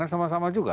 kan sama sama juga